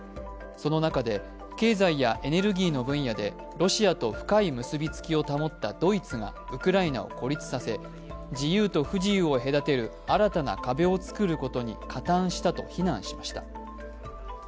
その中で経済やエネルギーの分野でロシアと深い結びつきを保ったドイツがウクライナを孤立させ、自由と不自由を隔てる新たな壁をつくることに加担したと非難しました。